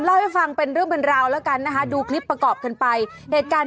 เล่าให้ฟังเป็นเรื่องบรรดาวน์แล้วกันนะฮะ